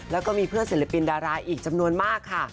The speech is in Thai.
แล้วก็มีเพื่อนศิลปินดาราอีกจำนวนมากค่ะ